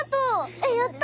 えっやった！